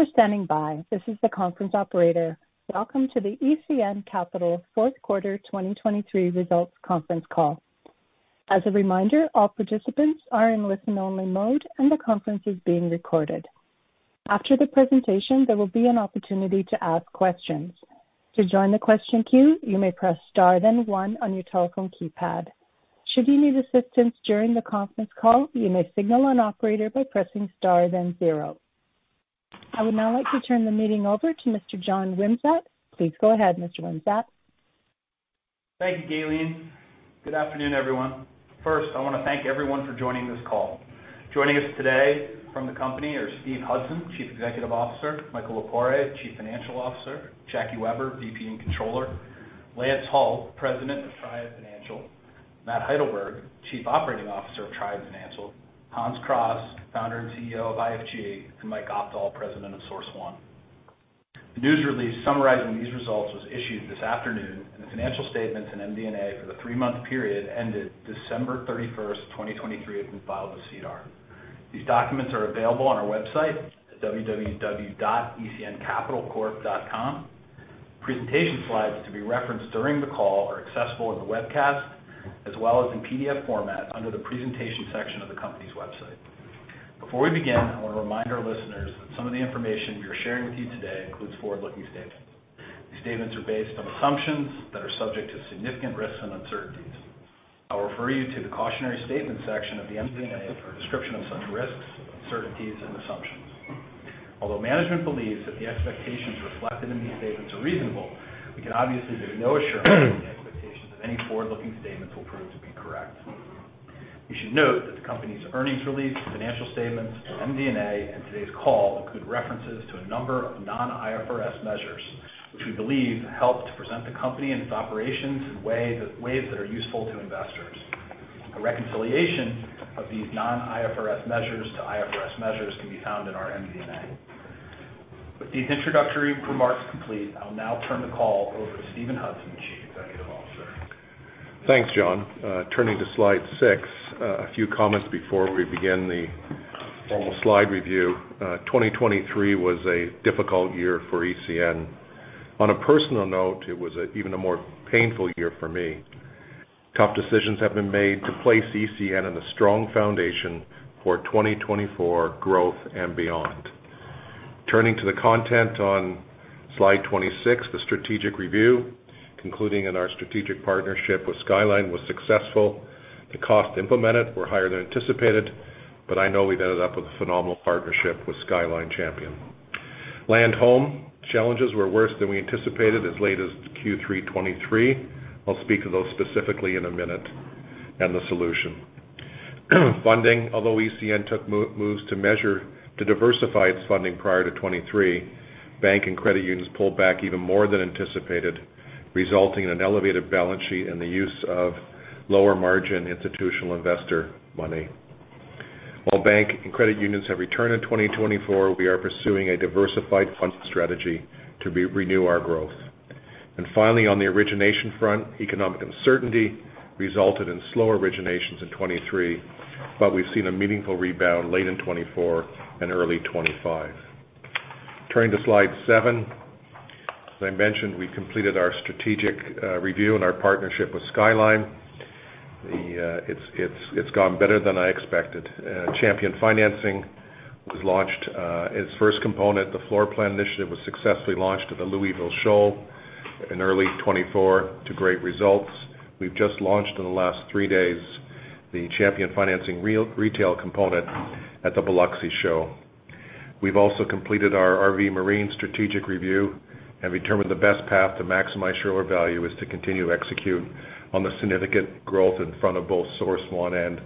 Thank you for standing by. This is the conference operator. Welcome to the ECN Capital fourth quarter 2023 results conference call. As a reminder, all participants are in listen-only mode and the conference is being recorded. After the presentation, there will be an opportunity to ask questions. To join the question queue, you may press star then one on your telephone keypad. Should you need assistance during the conference call, you may signal an operator by pressing star then zero. I would now like to turn the meeting over to Mr. John Wimsatt. Please go ahead, Mr. Wimsatt. Thank you, Galien. Good afternoon, everyone. First, I want to thank everyone for joining this call. Joining us today from the company are Steven Hudson, Chief Executive Officer, Michael Lepore, Chief Financial Officer, Jacqueline Weber, VP and Controller, Lance Hull, President of Triad Financial, Matt Heidelberg, Chief Operating Officer of Triad Financial, Hans Kraaz, Founder and CEO of IFG, and Mike Opdahl, President of Source One. The news release summarizing these results was issued this afternoon, and the financial statements and MD&A for the three-month period ended December 31st, 2023, and filed with SEDAR+. These documents are available on our website at www.ecncapitalcorp.com. Presentation slides to be referenced during the call are accessible in the webcast as well as in PDF format under the presentation section of the company's website. Before we begin, I want to remind our listeners that some of the information we are sharing with you today includes forward-looking statements. These statements are based on assumptions that are subject to significant risks and uncertainties. I'll refer you to the cautionary statement section of the MD&A for a description of such risks, uncertainties, and assumptions. Although management believes that the expectations reflected in these statements are reasonable, we can obviously give no assurance that the expectations of any forward-looking statements will prove to be correct. You should note that the company's earnings release, financial statements, MD&A, and today's call include references to a number of non-IFRS measures, which we believe help to present the company and its operations in ways that are useful to investors. A reconciliation of these non-IFRS measures to IFRS measures can be found in our MD&A. With these introductory remarks complete, I'll now turn the call over to Steven Hudson, Chief Executive Officer. Thanks, John. Turning to slide 6, a few comments before we begin the formal slide review. 2023 was a difficult year for ECN. On a personal note, it was even a more painful year for me. Tough decisions have been made to place ECN in a strong foundation for 2024 growth and beyond. Turning to the content on slide 26, the strategic review, concluding in our strategic partnership with Skyline was successful. The costs implemented were higher than anticipated, but I know we've ended up with a phenomenal partnership with Skyline Champion. Land-Home challenges were worse than we anticipated as late as Q3 2023. I'll speak to those specifically in a minute and the solution. Funding, although ECN took moves to diversify its funding prior to 2023, banks and credit unions pulled back even more than anticipated, resulting in an elevated balance sheet and the use of lower margin institutional investor money. While banks and credit unions have returned in 2024, we are pursuing a diversified funding strategy to renew our growth. Finally, on the origination front, economic uncertainty resulted in slower originations in 2023, but we've seen a meaningful rebound late in 2024 and early 2025. Turning to slide 7, as I mentioned, we completed our strategic review and our partnership with Skyline. It's gone better than I expected. Champion Financing was launched. Its first component, the floor plan initiative, was successfully launched at the Louisville Show in early 2024 to great results. We've just launched in the last three days the Champion Financing retail component at the Biloxi Show. We've also completed our RV Marine strategic review and determined the best path to maximize shareholder value is to continue to execute on the significant growth in front of both Source One and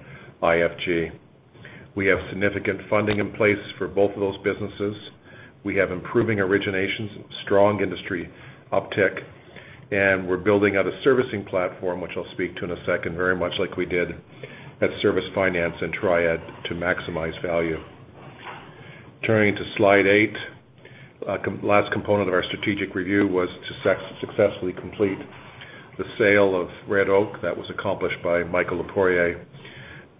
IFG. We have significant funding in place for both of those businesses. We have improving originations, strong industry uptick, and we're building out a servicing platform, which I'll speak to in a second, very much like we did at Service Finance and Triad to maximize value. Turning to slide eight, the last component of our strategic review was to successfully complete the sale of Red Oak that was accomplished by Michael Lepore,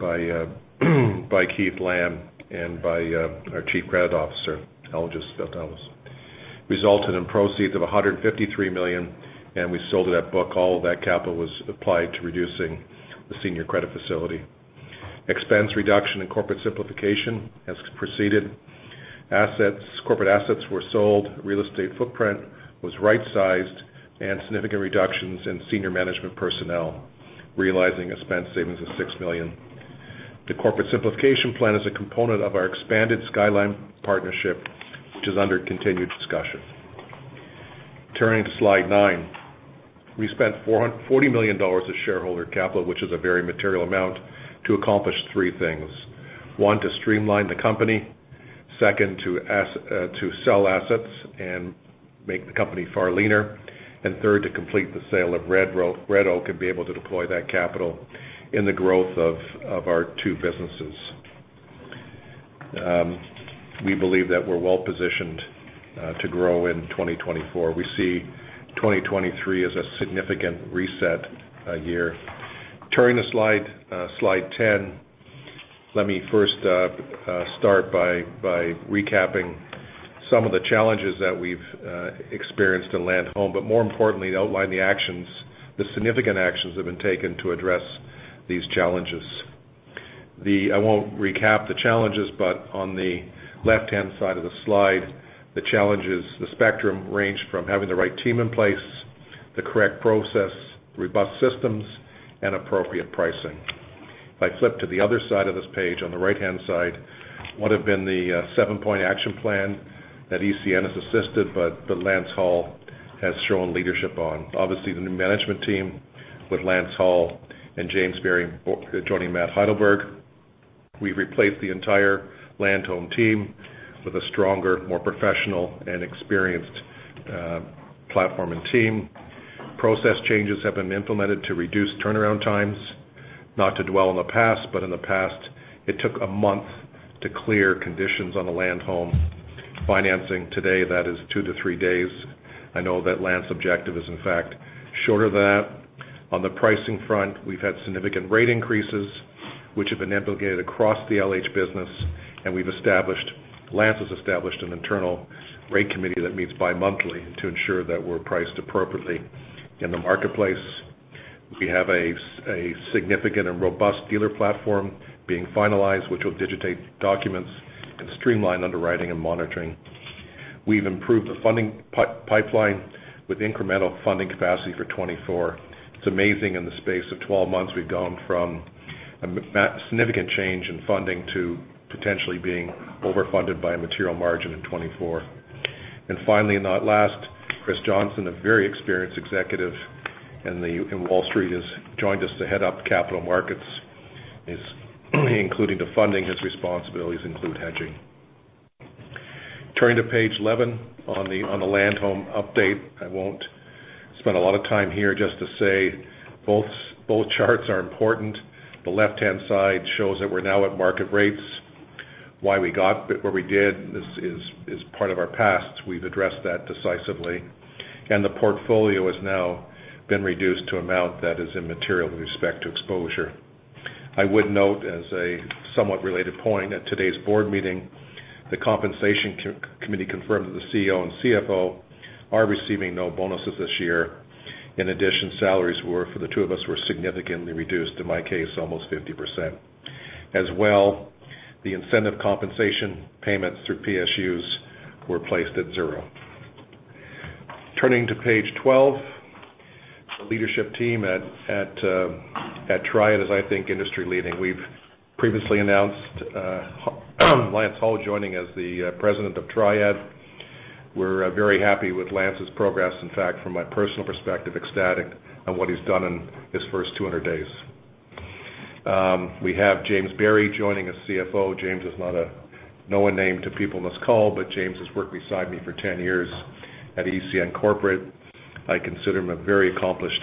by Keith Lamb, and by our Chief Credit Officer, Elijah Steltzner. Resulted in proceeds of $153 million, and we sold it at book. All of that capital was applied to reducing the senior credit facility. Expense reduction and corporate simplification has proceeded. Corporate assets were sold. Real estate footprint was right-sized and significant reductions in senior management personnel, realizing a spend savings of $6 million. The corporate simplification plan is a component of our expanded Skyline partnership, which is under continued discussion. Turning to slide 9, we spent $40 million of shareholder capital, which is a very material amount, to accomplish three things. 1, to streamline the company. 2, to sell assets and make the company far leaner. And 3, to complete the sale of Red Oak and be able to deploy that capital in the growth of our two businesses. We believe that we're well positioned to grow in 2024. We see 2023 as a significant reset year. Turning to slide 10, let me first start by recapping some of the challenges that we've experienced in Land-Home, but more importantly, outline the significant actions that have been taken to address these challenges. I won't recap the challenges, but on the left-hand side of the slide, the spectrum ranged from having the right team in place, the correct process, robust systems, and appropriate pricing. If I flip to the other side of this page, on the right-hand side, what have been the seven-point action plan that ECN has assisted but Lance Hull has shown leadership on? Obviously, the new management team with Lance Hull and James Berry joining Matt Heidelberg. We've replaced the entire Land-Home team with a stronger, more professional, and experienced platform and team. Process changes have been implemented to reduce turnaround times, not to dwell in the past, but in the past, it took a month to clear conditions on the Land-Home financing. Today, that is 2-3 days. I know that Lance's objective is, in fact, shorter than that. On the pricing front, we've had significant rate increases, which have been implicated across the LH business, and Lance has established an internal rate committee that meets bimonthly to ensure that we're priced appropriately in the marketplace. We have a significant and robust dealer platform being finalized, which will digitize documents and streamline underwriting and monitoring. We've improved the funding pipeline with incremental funding capacity for 2024. It's amazing in the space of 12 months, we've gone from a significant change in funding to potentially being overfunded by a material margin in 2024. And finally, and not last, Chris Johnson, a very experienced executive in Wall Street, has joined us to head up capital markets, including the funding. His responsibilities include hedging. Turning to page 11 on the land-home update, I won't spend a lot of time here just to say both charts are important. The left-hand side shows that we're now at market rates. Why we got where we did is part of our past. We've addressed that decisively. The portfolio has now been reduced to an amount that is immaterial with respect to exposure. I would note, as a somewhat related point, at today's board meeting, the compensation committee confirmed that the Chief Executive Officer and Chief Financial Officer are receiving no bonuses this year. In addition, salaries for the two of us were significantly reduced, in my case, almost 50%. As well, the incentive compensation payments through PSUs were placed at zero. Turning to page 12, the leadership team at Triad is, I think, industry leading. We've previously announced Lance Hull joining as the president of Triad. We're very happy with Lance's progress. In fact, from my personal perspective, ecstatic on what he's done in his first 200 days. We have James Berry joining as CFO. James is not a known name to people on this call, but James has worked beside me for 10 years at ECN Capital. I consider him a very accomplished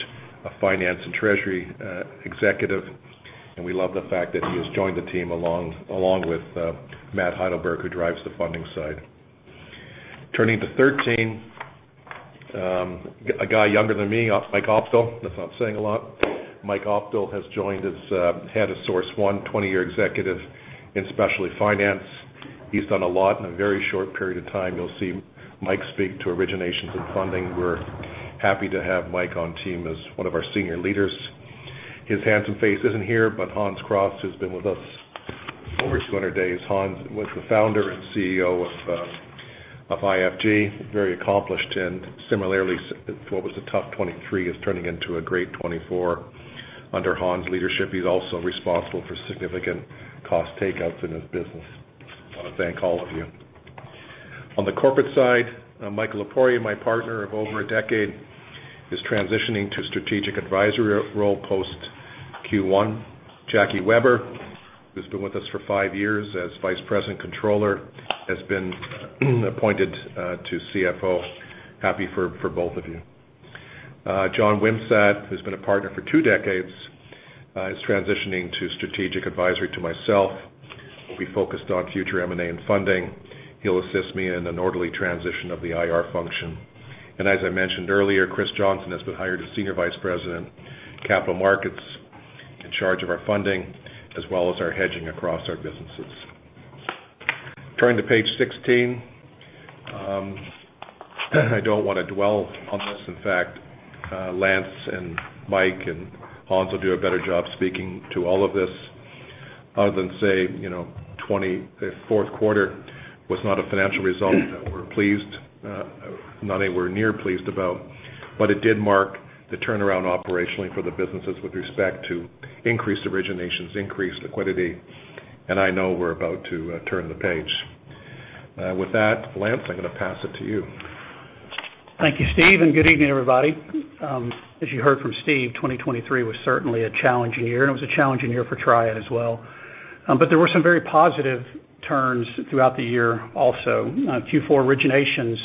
finance and treasury executive, and we love the fact that he has joined the team along with Matt Heidelberg, who drives the funding side. Turning to 13, a guy younger than me, Mike Opdahl, that's not saying a lot. Mike Opdahl has joined as head of Source One, 20-year executive in specialty finance. He's done a lot in a very short period of time. You'll see Mike speak to originations and funding. We're happy to have Mike on team as one of our senior leaders. His handsome face isn't here, but Hans Kraaz, who's been with us over 200 days, Hans was the founder and CEO of IFG, very accomplished, and similarly, what was a tough 2023 is turning into a great 2024 under Hans' leadership. He's also responsible for significant cost takeouts in his business. I want to thank all of you. On the corporate side, Michael Lepore, my partner of over a decade, is transitioning to a strategic advisory role post Q1. Jacqueline Weber, who's been with us for five years as Vice President Controller, has been appointed to CFO. Happy for both of you. John Wimsatt, who's been a partner for two decades, is transitioning to strategic advisory to myself. He'll be focused on future M&A and funding. He'll assist me in an orderly transition of the IR function. As I mentioned earlier, Chris Johnson has been hired as Senior Vice President, Capital Markets, in charge of our funding as well as our hedging across our businesses. Turning to page 16, I don't want to dwell on this. In fact, Lance and Mike and Hans will do a better job speaking to all of this other than say, "fourth quarter was not a financial result that we're pleased, not anywhere near pleased about, but it did mark the turnaround operationally for the businesses with respect to increased originations, increased liquidity, and I know we're about to turn the page." With that, Lance, I'm going to pass it to you. Thank you, Steve, and good evening, everybody. As you heard from Steve, 2023 was certainly a challenging year, and it was a challenging year for Triad as well. But there were some very positive turns throughout the year also. Q4 originations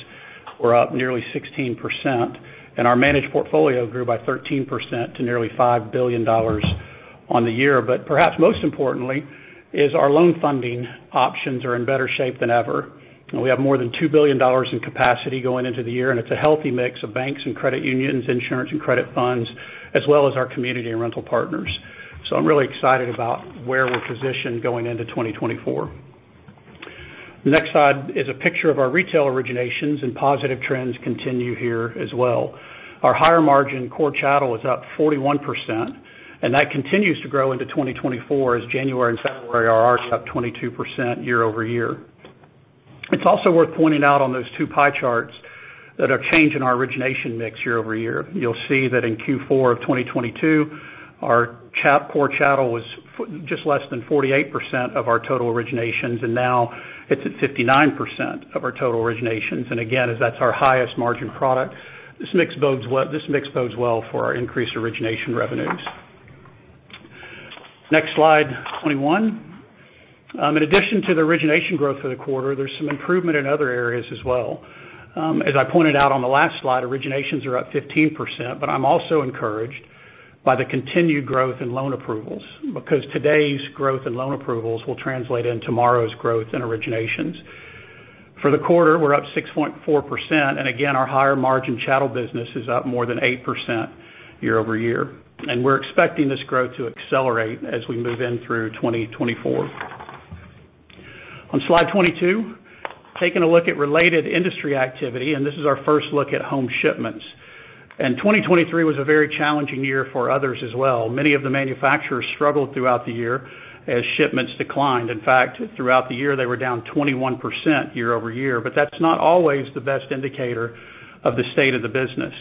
were up nearly 16%, and our managed portfolio grew by 13% to nearly $5 billion on the year. But perhaps most importantly, our loan funding options are in better shape than ever. We have more than $2 billion in capacity going into the year, and it's a healthy mix of banks and credit unions, insurance and credit funds, as well as our community and rental partners. So I'm really excited about where we're positioned going into 2024. The next slide is a picture of our retail originations, and positive trends continue here as well. Our higher margin core chattel is up 41%, and that continues to grow into 2024 as January and February are already up 22% year-over-year. It's also worth pointing out on those two pie charts that are changing our origination mix year-over-year. You'll see that in Q4 of 2022, our core chattel was just less than 48% of our total originations, and now it's at 59% of our total originations. And again, as that's our highest margin product, this mix bodes well for our increased origination revenues. Next slide, 21. In addition to the origination growth for the quarter, there's some improvement in other areas as well. As I pointed out on the last slide, originations are up 15%, but I'm also encouraged by the continued growth in loan approvals because today's growth in loan approvals will translate into tomorrow's growth in originations. For the quarter, we're up 6.4%, and again, our higher margin chattel business is up more than 8% year over year. We're expecting this growth to accelerate as we move in through 2024. On slide 22, taking a look at related industry activity, and this is our first look at home shipments. 2023 was a very challenging year for others as well. Many of the manufacturers struggled throughout the year as shipments declined. In fact, throughout the year, they were down 21% year over year, but that's not always the best indicator of the state of the business.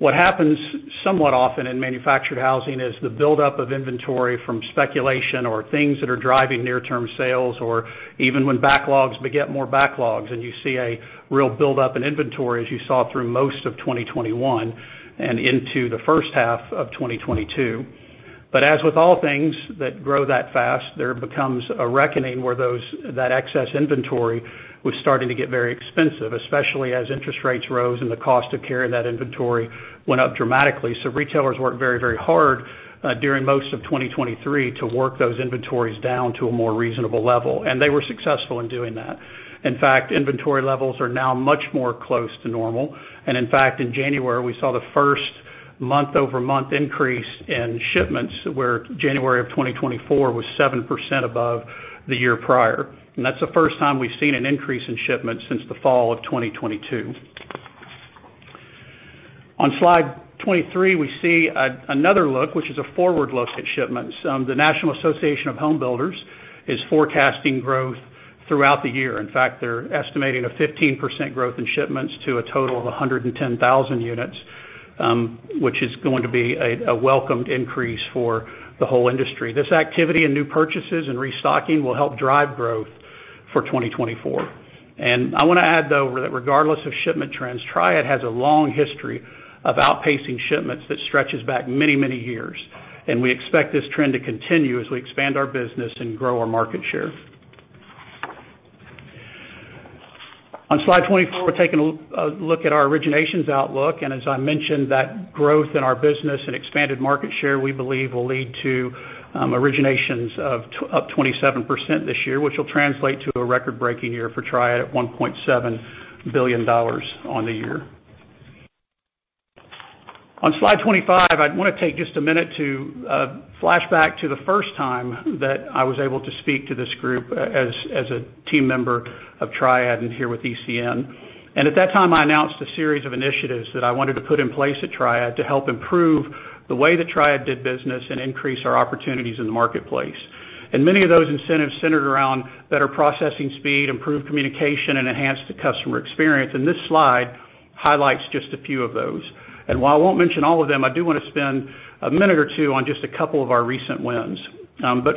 What happens somewhat often in manufactured housing is the buildup of inventory from speculation or things that are driving near-term sales or even when backlogs beget more backlogs, and you see a real buildup in inventory as you saw through most of 2021 and into the first half of 2022. But as with all things that grow that fast, there becomes a reckoning where that excess inventory was starting to get very expensive, especially as interest rates rose and the cost of carrying that inventory went up dramatically. So retailers worked very, very hard during most of 2023 to work those inventories down to a more reasonable level, and they were successful in doing that. In fact, inventory levels are now much more close to normal. And in fact, in January, we saw the first month-over-month increase in shipments where January of 2024 was 7% above the year prior. And that's the first time we've seen an increase in shipments since the fall of 2022. On slide 23, we see another look, which is a forward look at shipments. The National Association of Home Builders is forecasting growth throughout the year. In fact, they're estimating a 15% growth in shipments to a total of 110,000 units, which is going to be a welcomed increase for the whole industry. This activity and new purchases and restocking will help drive growth for 2024. I want to add, though, that regardless of shipment trends, Triad has a long history of outpacing shipments that stretches back many, many years. We expect this trend to continue as we expand our business and grow our market share. On slide 24, we're taking a look at our originations outlook. As I mentioned, that growth in our business and expanded market share, we believe, will lead to originations up 27% this year, which will translate to a record-breaking year for Triad at $1.7 billion on the year. On slide 25, I want to take just a minute to flashback to the first time that I was able to speak to this group as a team member of Triad and here with ECN. At that time, I announced a series of initiatives that I wanted to put in place at Triad to help improve the way that Triad did business and increase our opportunities in the marketplace. Many of those incentives centered around better processing speed, improved communication, and enhanced the customer experience. This slide highlights just a few of those. While I won't mention all of them, I do want to spend a minute or two on just a couple of our recent wins.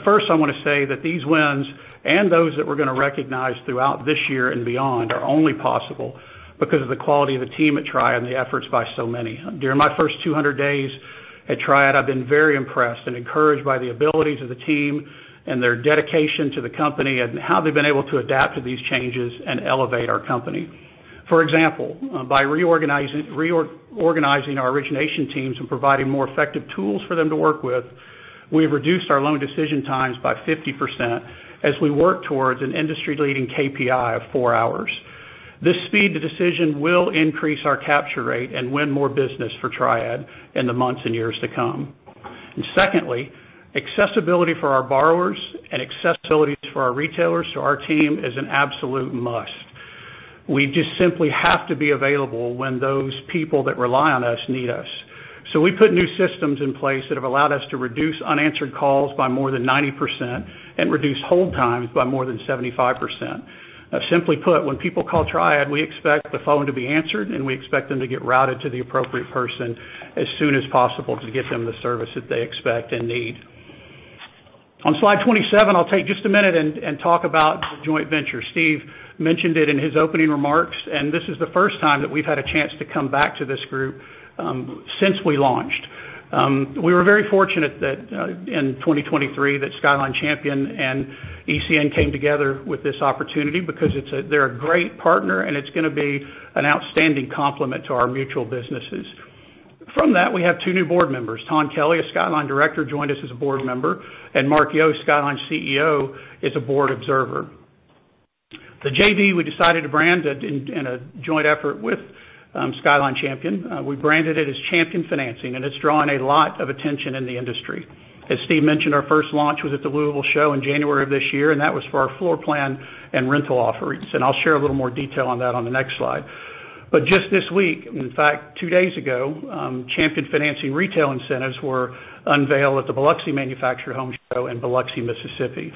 First, I want to say that these wins and those that we're going to recognize throughout this year and beyond are only possible because of the quality of the team at Triad and the efforts by so many. During my first 200 days at Triad, I've been very impressed and encouraged by the abilities of the team and their dedication to the company and how they've been able to adapt to these changes and elevate our company. For example, by reorganizing our origination teams and providing more effective tools for them to work with, we've reduced our loan decision times by 50% as we work towards an industry-leading KPI of four hours. This speed to decision will increase our capture rate and win more business for Triad in the months and years to come. Secondly, accessibility for our borrowers and accessibility for our retailers to our team is an absolute must. We just simply have to be available when those people that rely on us need us. So we put new systems in place that have allowed us to reduce unanswered calls by more than 90% and reduce hold times by more than 75%. Simply put, when people call Triad, we expect the phone to be answered, and we expect them to get routed to the appropriate person as soon as possible to get them the service that they expect and need. On slide 27, I'll take just a minute and talk about the joint venture. Steve mentioned it in his opening remarks, and this is the first time that we've had a chance to come back to this group since we launched. We were very fortunate in 2023 that Skyline Champion and ECN came together with this opportunity because they're a great partner, and it's going to be an outstanding complement to our mutual businesses. From that, we have two new board members. Tawn Kelley, a Skyline director, joined us as a board member, and Mark Yost, Skyline's CEO, is a board observer. The JV we decided to brand in a joint effort with Skyline Champion, we branded it as Champion Financing, and it's drawing a lot of attention in the industry. As Steve mentioned, our first launch was at the Louisville Show in January of this year, and that was for our floor plan and rental offerings. I'll share a little more detail on that on the next slide. But just this week, in fact, two days ago, Champion Financing retail incentives were unveiled at the Biloxi Manufactured Home Show in Biloxi, Mississippi.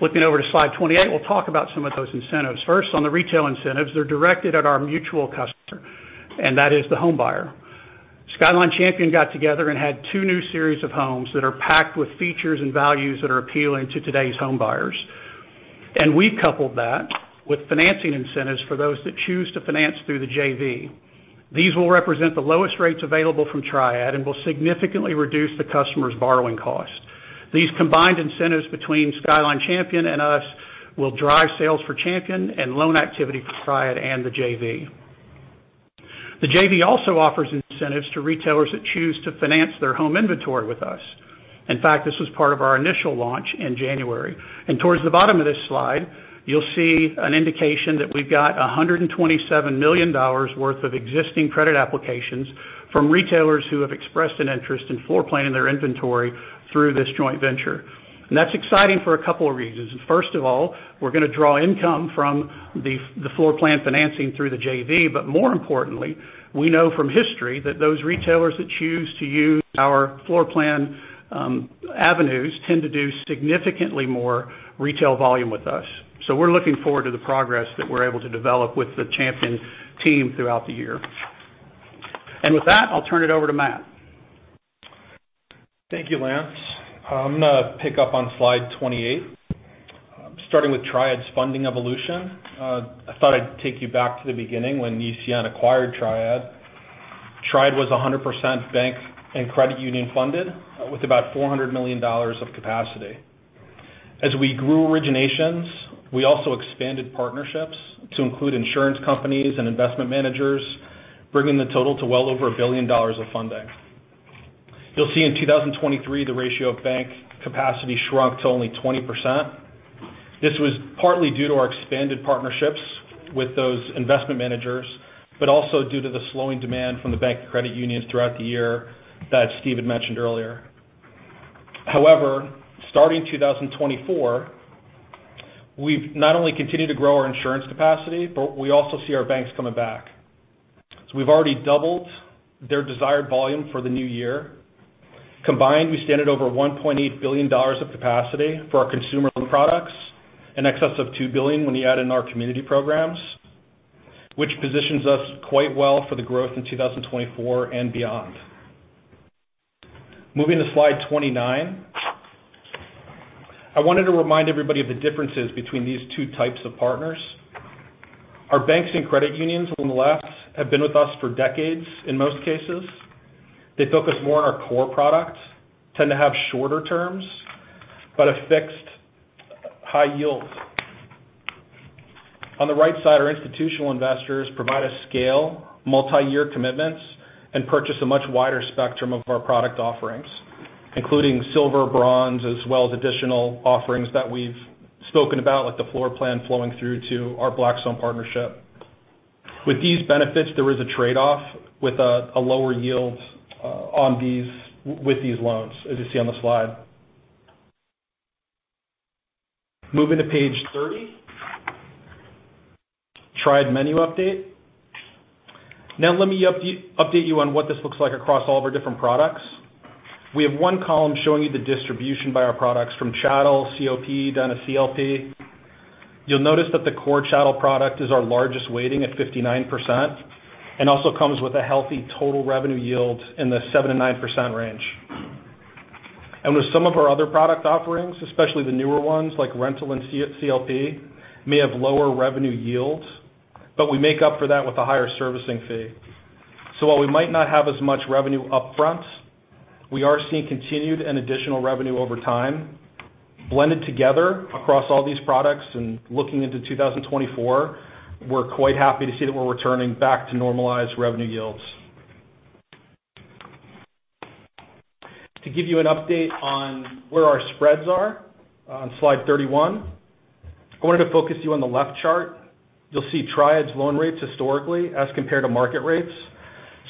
Flipping over to slide 28, we'll talk about some of those incentives. First, on the retail incentives, they're directed at our mutual customer, and that is the homebuyer. Skyline Champion got together and had two new series of homes that are packed with features and values that are appealing to today's homebuyers. And we coupled that with financing incentives for those that choose to finance through the JV. These will represent the lowest rates available from Triad and will significantly reduce the customer's borrowing cost. These combined incentives between Skyline Champion and us will drive sales for Champion and loan activity for Triad and the JV. The JV also offers incentives to retailers that choose to finance their home inventory with us. In fact, this was part of our initial launch in January. Towards the bottom of this slide, you'll see an indication that we've got $127 million worth of existing credit applications from retailers who have expressed an interest in floor planning their inventory through this joint venture. That's exciting for a couple of reasons. First of all, we're going to draw income from the floor plan financing through the JV. But more importantly, we know from history that those retailers that choose to use our floor plan avenues tend to do significantly more retail volume with us. We're looking forward to the progress that we're able to develop with the Champion team throughout the year. With that, I'll turn it over to Matt. Thank you, Lance. I'm going to pick up on slide 28. Starting with Triad's funding evolution, I thought I'd take you back to the beginning when ECN acquired Triad. Triad was 100% bank and credit union funded with about $400 million of capacity. As we grew originations, we also expanded partnerships to include insurance companies and investment managers, bringing the total to well over $1 billion of funding. You'll see in 2023, the ratio of bank capacity shrunk to only 20%. This was partly due to our expanded partnerships with those investment managers, but also due to the slowing demand from the bank and credit unions throughout the year that Steve had mentioned earlier. However, starting 2024, we've not only continued to grow our insurance capacity, but we also see our banks coming back. So we've already doubled their desired volume for the new year. Combined, we stand at over $1.8 billion of capacity for our consumer loan products and excess of $2 billion when you add in our community programs, which positions us quite well for the growth in 2024 and beyond. Moving to slide 29, I wanted to remind everybody of the differences between these two types of partners. Our banks and credit unions on the left have been with us for decades in most cases. They focus more on our core product, tend to have shorter terms, but a fixed high yield. On the right side, our institutional investors provide a scale, multi-year commitments, and purchase a much wider spectrum of our product offerings, including silver, bronze, as well as additional offerings that we've spoken about, like the floor plan flowing through to our Blackstone partnership. With these benefits, there is a trade-off with a lower yield with these loans, as you see on the slide. Moving to page 30, Triad menu update. Now, let me update you on what this looks like across all of our different products. We have one column showing you the distribution by our products from chattel, COP, down to CLP. You'll notice that the core chattel product is our largest weighting at 59% and also comes with a healthy total revenue yield in the 7%-9% range. And with some of our other product offerings, especially the newer ones like rental and CLP, may have lower revenue yields, but we make up for that with a higher servicing fee. So while we might not have as much revenue upfront, we are seeing continued and additional revenue over time. Blended together across all these products and looking into 2024, we're quite happy to see that we're returning back to normalized revenue yields. To give you an update on where our spreads are on slide 31, I wanted to focus you on the left chart. You'll see Triad's loan rates historically as compared to market rates,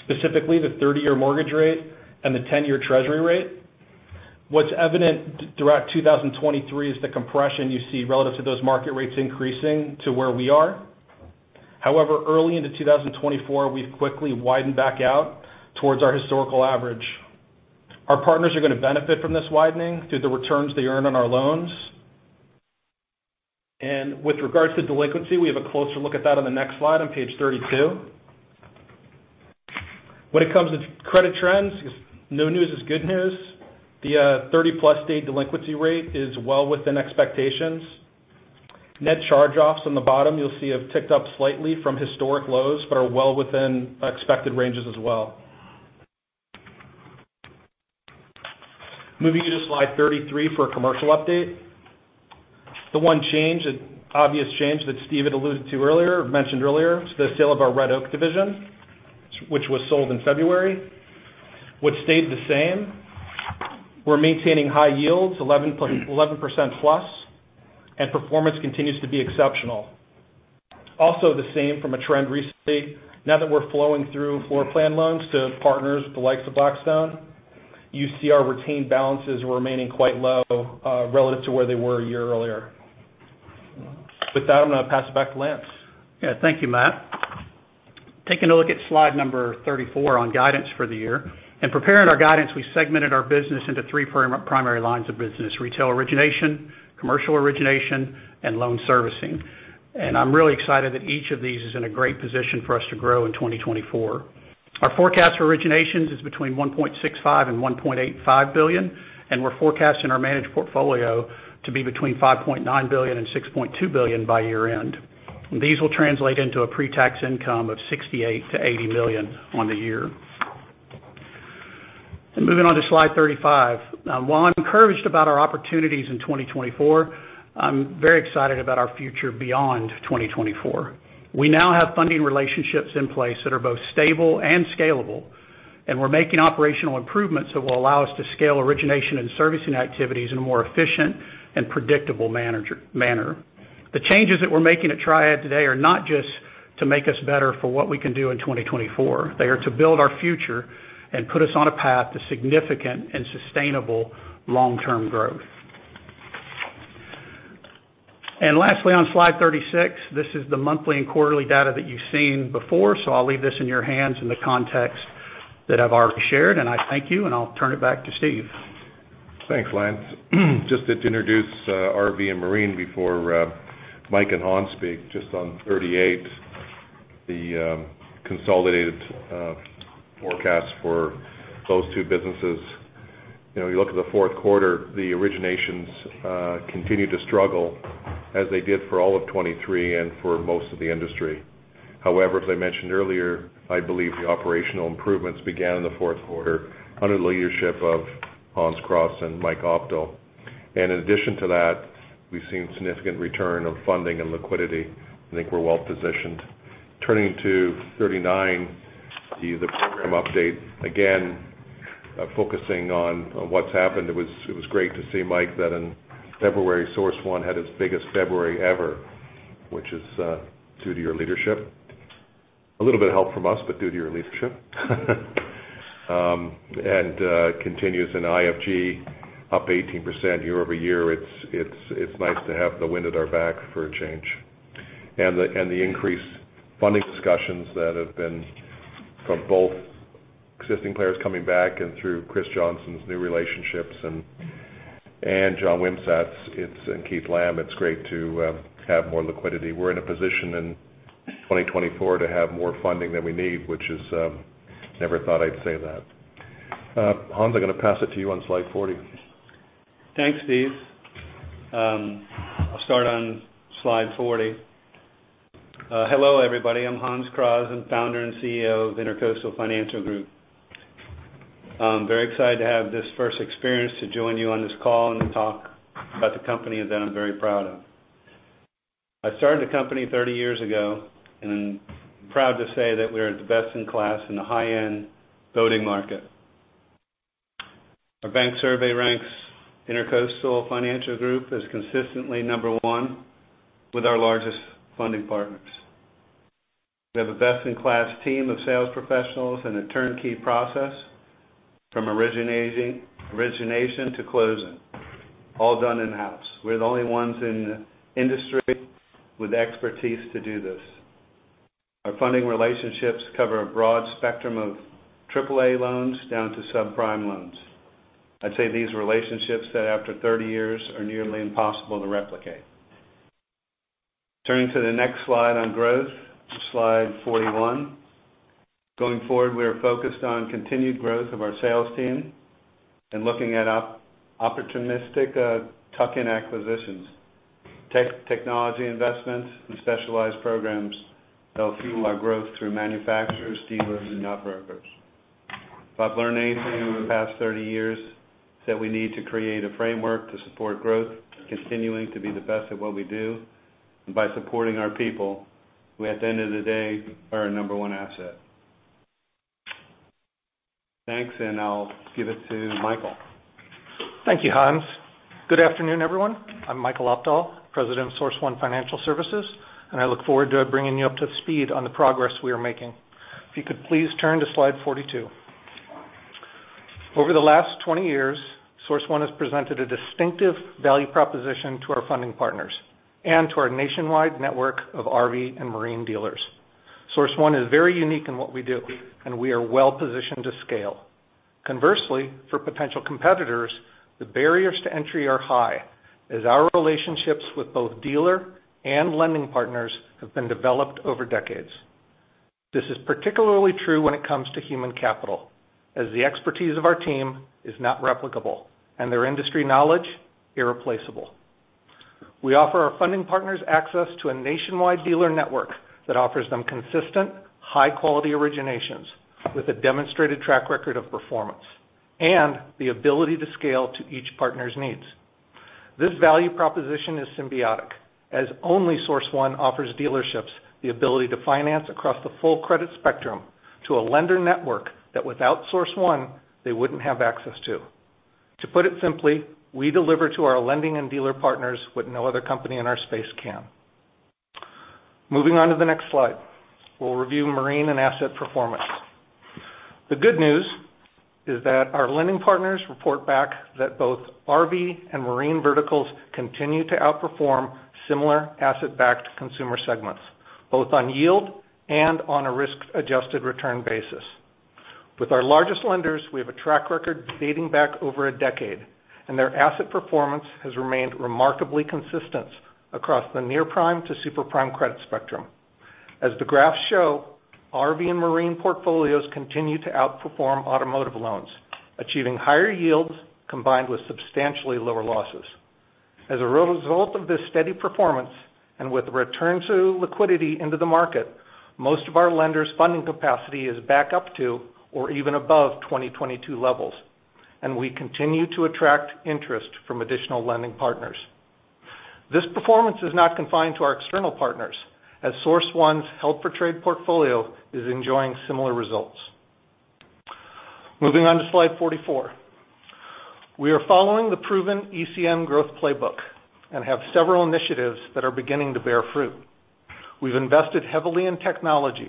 specifically the 30-year mortgage rate and the 10-year Treasury rate. What's evident throughout 2023 is the compression you see relative to those market rates increasing to where we are. However, early into 2024, we've quickly widened back out towards our historical average. Our partners are going to benefit from this widening through the returns they earn on our loans. And with regards to delinquency, we have a closer look at that on the next slide on page 32. When it comes to credit trends, no news is good news. The 30+ day delinquency rate is well within expectations. Net charge-offs on the bottom, you'll see, have ticked up slightly from historic lows but are well within expected ranges as well. Moving you to slide 33 for a commercial update. The one change, an obvious change that Steve had alluded to earlier, mentioned earlier, is the sale of our Red Oak division, which was sold in February. What stayed the same, we're maintaining high yields, 11%+, and performance continues to be exceptional. Also, the same from a trend recently. Now that we're flowing through floor plan loans to partners the likes of Blackstone, you see our retained balances remaining quite low relative to where they were a year earlier. With that, I'm going to pass it back to Lance. Yeah. Thank you, Matt. Taking a look at slide 34 on guidance for the year. In preparing our guidance, we segmented our business into three primary lines of business: retail origination, commercial origination, and loan servicing. I'm really excited that each of these is in a great position for us to grow in 2024. Our forecast for originations is between $1.65-$1.85 billion, and we're forecasting our managed portfolio to be between $5.9-$6.2 billion by year-end. These will translate into a pre-tax income of $68-$80 million on the year. Moving on to slide 35, while I'm encouraged about our opportunities in 2024, I'm very excited about our future beyond 2024. We now have funding relationships in place that are both stable and scalable, and we're making operational improvements that will allow us to scale origination and servicing activities in a more efficient and predictable manner. The changes that we're making at Triad today are not just to make us better for what we can do in 2024. They are to build our future and put us on a path to significant and sustainable long-term growth. Lastly, on slide 36, this is the monthly and quarterly data that you've seen before, so I'll leave this in your hands in the context that I've already shared. I thank you, and I'll turn it back to Steve. Thanks, Lance. Just to introduce RV and Marine before Mike and Hans speak, just on 38, the consolidated forecast for those two businesses. You look at the fourth quarter, the originations continue to struggle as they did for all of 2023 and for most of the industry. However, as I mentioned earlier, I believe the operational improvements began in the fourth quarter under the leadership of Hans Kraaz and Mike Opdahl. And in addition to that, we've seen significant return of funding and liquidity. I think we're well positioned. Turning to 39, the program update, again focusing on what's happened, it was great to see, Mike, that in February, Source One had its biggest February ever, which is due to your leadership. A little bit of help from us, but due to your leadership. And continues in IFG, up 18% year-over-year. It's nice to have the wind at our back for a change. The increased funding discussions that have been from both existing players coming back and through Chris Johnson's new relationships and John Wimsatt's and Keith Lamb, it's great to have more liquidity. We're in a position in 2024 to have more funding than we need, which is never thought I'd say that. Hans, I'm going to pass it to you on slide 40. Thanks, Steve. I'll start on slide 40. Hello, everybody. I'm Hans Kraaz, the founder and CEO of Intercoastal Financial Group. I'm very excited to have this first experience to join you on this call and to talk about the company that I'm very proud of. I started the company 30 years ago and I'm proud to say that we're the best in class in the high-end boating market. Our bank survey ranks Intercoastal Financial Group as consistently number one with our largest funding partners. We have a best-in-class team of sales professionals and a turnkey process from origination to closing, all done in-house. We're the only ones in the industry with expertise to do this. Our funding relationships cover a broad spectrum of AAA loans down to subprime loans. I'd say these relationships that, after 30 years, are nearly impossible to replicate. Turning to the next slide on growth, slide 41. Going forward, we are focused on continued growth of our sales team and looking at opportunistic tuck-in acquisitions. Technology investments and specialized programs help fuel our growth through manufacturers, dealers, and networkers. If I've learned anything over the past 30 years, it's that we need to create a framework to support growth, continuing to be the best at what we do. By supporting our people, we, at the end of the day, are our number one asset. Thanks, and I'll give it to Michael. Thank you, Hans. Good afternoon, everyone. I'm Michael Opdahl, President of Source One Financial Services, and I look forward to bringing you up to speed on the progress we are making. If you could please turn to slide 42. Over the last 20 years, Source One has presented a distinctive value proposition to our funding partners and to our nationwide network of RV and Marine dealers. Source One is very unique in what we do, and we are well positioned to scale. Conversely, for potential competitors, the barriers to entry are high, as our relationships with both dealer and lending partners have been developed over decades. This is particularly true when it comes to human capital, as the expertise of our team is not replicable and their industry knowledge irreplaceable. We offer our funding partners access to a nationwide dealer network that offers them consistent, high-quality originations with a demonstrated track record of performance and the ability to scale to each partner's needs. This value proposition is symbiotic, as only Source One offers dealerships the ability to finance across the full credit spectrum to a lender network that, without Source One, they wouldn't have access to. To put it simply, we deliver to our lending and dealer partners what no other company in our space can. Moving on to the next slide, we'll review Marine and asset performance. The good news is that our lending partners report back that both RV and Marine verticals continue to outperform similar asset-backed consumer segments, both on yield and on a risk-adjusted return basis. With our largest lenders, we have a track record dating back over a decade, and their asset performance has remained remarkably consistent across the near-prime to super-prime credit spectrum. As the graphs show, RV and Marine portfolios continue to outperform automotive loans, achieving higher yields combined with substantially lower losses. As a result of this steady performance and with return to liquidity into the market, most of our lenders' funding capacity is back up to or even above 2022 levels, and we continue to attract interest from additional lending partners. This performance is not confined to our external partners, as Source One's Held-for-Trading portfolio is enjoying similar results. Moving on to slide 44. We are following the proven ECN growth playbook and have several initiatives that are beginning to bear fruit. We've invested heavily in technology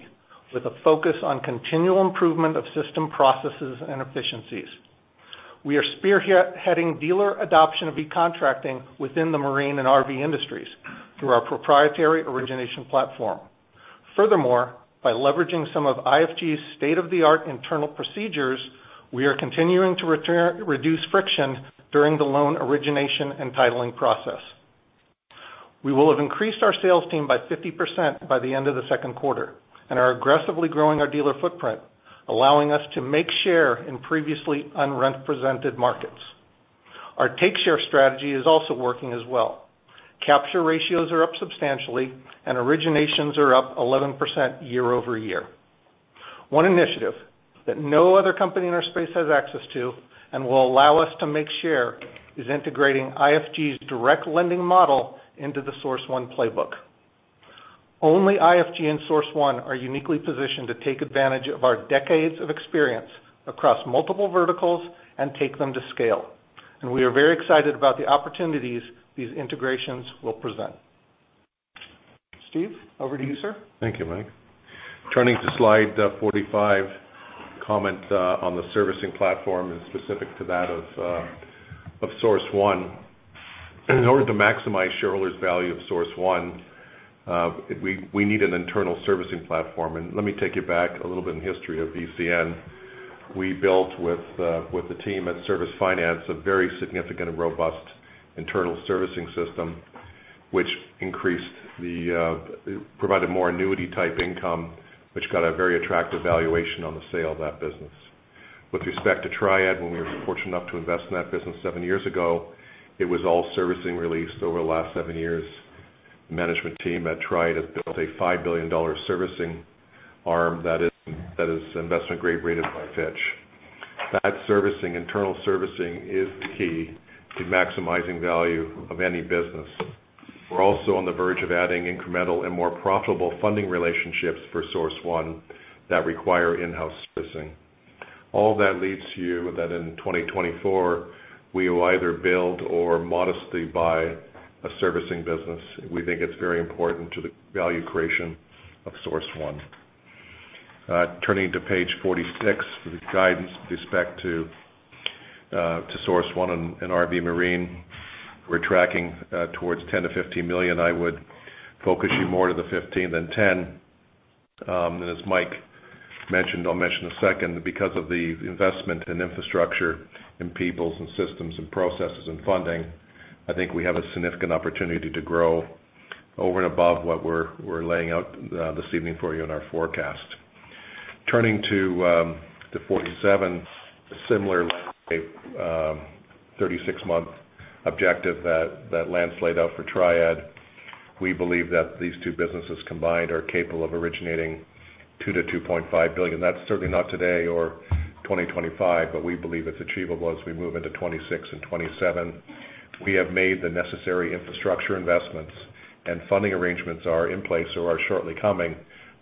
with a focus on continual improvement of system processes and efficiencies. We are spearheading dealer adoption of e-contracting within the Marine and RV industries through our proprietary origination platform. Furthermore, by leveraging some of IFG's state-of-the-art internal procedures, we are continuing to reduce friction during the loan origination and titling process. We will have increased our sales team by 50% by the end of the second quarter and are aggressively growing our dealer footprint, allowing us to make share in previously unrepresented markets. Our take-share strategy is also working as well. Capture ratios are up substantially, and originations are up 11% year-over-year. One initiative that no other company in our space has access to and will allow us to make share is integrating IFG's direct lending model into the Source One playbook. Only IFG and Source One are uniquely positioned to take advantage of our decades of experience across multiple verticals and take them to scale. We are very excited about the opportunities these integrations will present. Steve, over to you, sir. Thank you, Mike. Turning to slide 45, comment on the servicing platform and specific to that of Source One. In order to maximize shareholders' value of Source One, we need an internal servicing platform. Let me take you back a little bit in history of ECN. We built with the team at Service Finance a very significant and robust internal servicing system, which provided more annuity-type income, which got a very attractive valuation on the sale of that business. With respect to Triad, when we were fortunate enough to invest in that business seven years ago, it was all servicing released over the last seven years. The management team at Triad has built a $5 billion servicing arm that is investment-grade rated by Fitch. That internal servicing is the key to maximizing value of any business. We're also on the verge of adding incremental and more profitable funding relationships for Source One that require in-house servicing. All of that leads to you that in 2024, we will either build or modestly buy a servicing business. We think it's very important to the value creation of Source One. Turning to page 46 for the guidance with respect to Source One and RV/Marine, we're tracking towards $10 million-$15 million. I would focus you more to the $15 million than $10 million. And as Mike mentioned, I'll mention a second, because of the investment in infrastructure and people's and systems and processes and funding, I think we have a significant opportunity to grow over and above what we're laying out this evening for you in our forecast. Turning to 47, a similar 36-month objective that Lance laid out for Triad, we believe that these two businesses combined are capable of originating $2 billion-$2.5 billion. That's certainly not today or 2025, but we believe it's achievable as we move into 2026 and 2027. We have made the necessary infrastructure investments, and funding arrangements are in place or are shortly coming,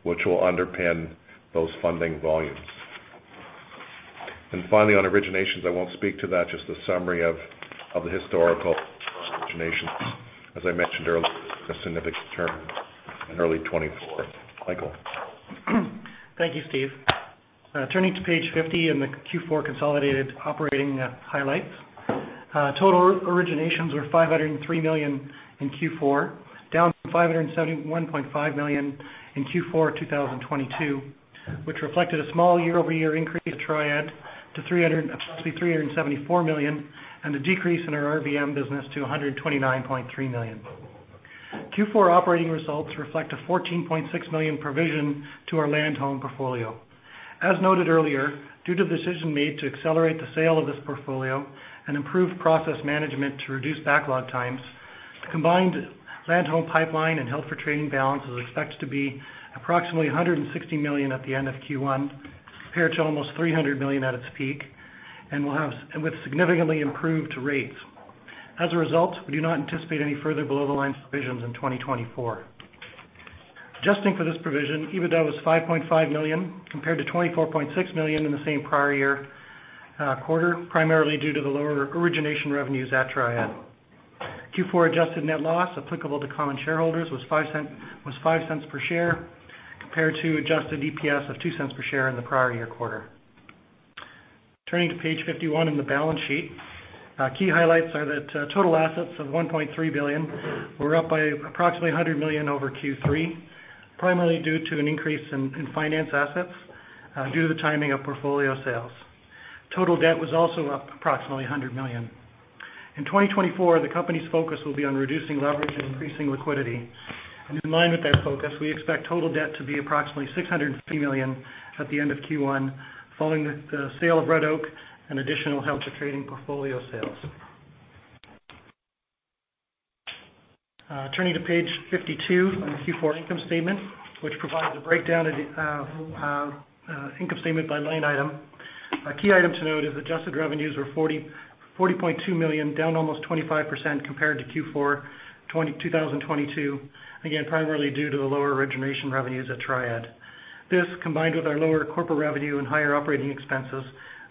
which will underpin those funding volumes. And finally, on originations, I won't speak to that, just the summary of the historical originations. As I mentioned earlier, it's a significant term in early 2024. Michael. Thank you, Steve. Turning to page 50 and the Q4 consolidated operating highlights. Total originations were $503 million in Q4, down $571.5 million in Q4 2022, which reflected a small year-over-year increase at Triad to approximately $374 million and a decrease in our RVM business to $129.3 million. Q4 operating results reflect a $14.6 million provision to our land-home portfolio. As noted earlier, due to the decision made to accelerate the sale of this portfolio and improve process management to reduce backlog times, the combined land-home pipeline and Held-for-Trading balance is expected to be approximately $160 million at the end of Q1, compared to almost $300 million at its peak, and with significantly improved rates. As a result, we do not anticipate any further below-the-line provisions in 2024. Adjusting for this provision, EBITDA was $5.5 million compared to $24.6 million in the same prior year quarter, primarily due to the lower origination revenues at Triad. Q4 adjusted net loss applicable to common shareholders was $0.05 per share compared to adjusted EPS of $0.02 per share in the prior year quarter. Turning to page 51 in the balance sheet, key highlights are that total assets of $1.3 billion were up by approximately $100 million over Q3, primarily due to an increase in finance assets due to the timing of portfolio sales. Total debt was also up approximately $100 million. In 2024, the company's focus will be on reducing leverage and increasing liquidity. In line with that focus, we expect total debt to be approximately $650 million at the end of Q1 following the sale of Red Oak and additional held-for-trading portfolio sales. Turning to page 52 on the Q4 income statement, which provides a breakdown income statement by line item. A key item to note is adjusted revenues were $40.2 million, down almost 25% compared to Q4 2022, again, primarily due to the lower origination revenues at Triad. This, combined with our lower corporate revenue and higher operating expenses,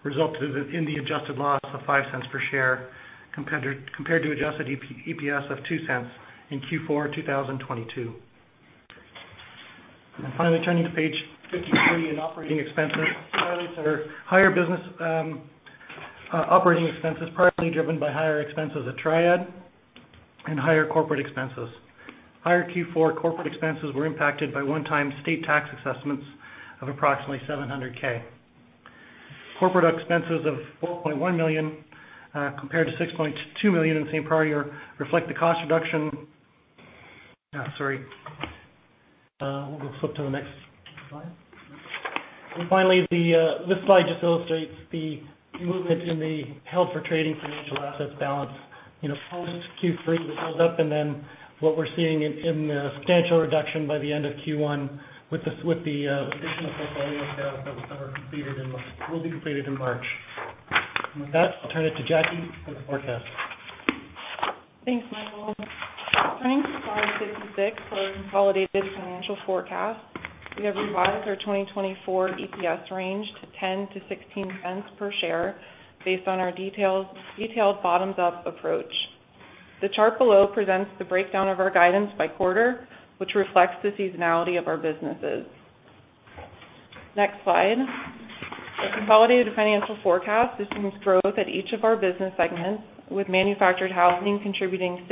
resulted in the adjusted loss of $0.05 per share compared to adjusted EPS of $0.02 in Q4 2022. And finally, turning to page 53 in operating expenses, higher business operating expenses primarily driven by higher expenses at Triad and higher corporate expenses. Higher Q4 corporate expenses were impacted by one-time state tax assessments of approximately $700,000. Corporate expenses of $4.1 million compared to $6.2 million in the same prior year reflect the cost reduction sorry. We'll go flip to the next slide. Finally, this slide just illustrates the movement in the Held-for-Trading financial assets balance post-Q3 that goes up and then what we're seeing in the substantial reduction by the end of Q1 with the additional portfolio sales that will be completed in March. With that, I'll turn it to Jacqueline for the forecast. Thanks, Michael. Turning to slide 56 for our consolidated financial forecast, we have revised our 2024 EPS range to $0.10-$0.16 per share based on our detailed bottoms-up approach. The chart below presents the breakdown of our guidance by quarter, which reflects the seasonality of our businesses. Next slide. Our consolidated financial forecast assumes growth at each of our business segments, with manufactured housing contributing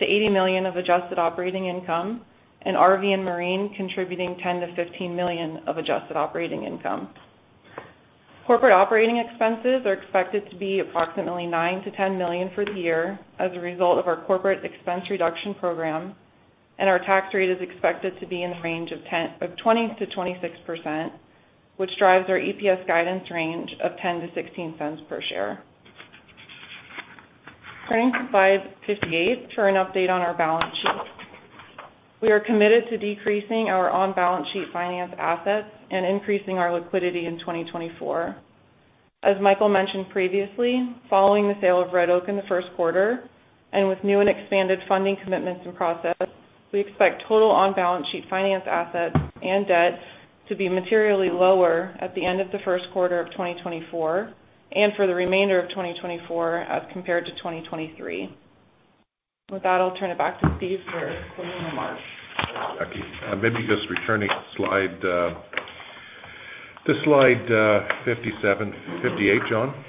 $68-$80 million of adjusted operating income and RV and Marine contributing $10-$15 million of adjusted operating income. Corporate operating expenses are expected to be approximately $9-$10 million for the year as a result of our corporate expense reduction program, and our tax rate is expected to be in the range of 20%-26%, which drives our EPS guidance range of $0.10-$0.16 per share. Turning to slide 58 for an update on our balance sheet. We are committed to decreasing our on-balance sheet finance assets and increasing our liquidity in 2024. As Michael mentioned previously, following the sale of Red Oak in the first quarter and with new and expanded funding commitments and process, we expect total on-balance sheet finance assets and debt to be materially lower at the end of the first quarter of 2024 and for the remainder of 2024 as compared to 2023. With that, I'll turn it back to Steve for closing remarks. Thanks, Jacqueline. Maybe just returning to slides 57-58, John?